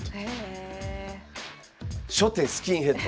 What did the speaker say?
初手スキンヘッド。